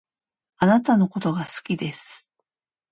あなたのことが好きです